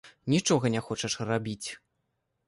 Нічога не хочаш рабіць.